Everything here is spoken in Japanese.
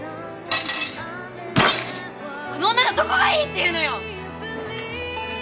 あの女のどこがいいっていうのよ！